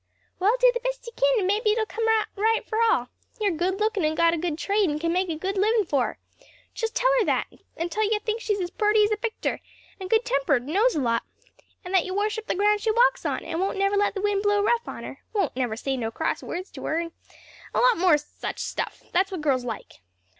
"Well, do the best you kin, and mebbe it'll come out right for all. You're good lookin' and got a good trade and can make a good livin' for her. Just tell her that; and tell her you think she's as purty as a picter, and good tempered, and knows a lot; and that you worship the ground she walks on, and won't never let the wind blow rough on her, won't never say no cross words to her, and and a lot more o' such stuff; that's what girls like."